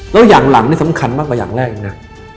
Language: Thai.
แล้วอย่างหลังนี่สำคัญมากกว่าอย่างแรกเลยนะ